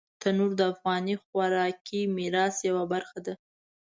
تنور د افغاني خوراکي میراث یوه برخه ده